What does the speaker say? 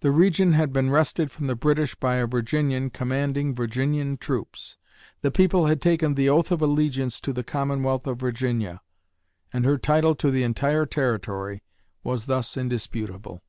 The region had been wrested from the British by a Virginian commanding Virginian troops; the people had taken "the oath of allegiance to the Commonwealth of Virginia"; and her title to the entire territory was thus indisputable....